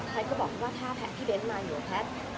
แพทย์ก็บอกว่าถ้าแพทย์พี่เบ้นมาอยู่แพทย์